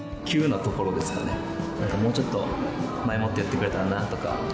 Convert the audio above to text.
なんかもうちょっと前もって言ってくれたらなとか。